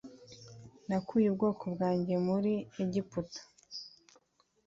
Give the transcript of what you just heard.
nakuye ubwoko bwanjye muri egiputa